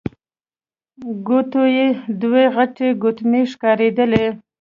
ګوتو يې دوې غټې ګوتمۍ ښکارېدلې.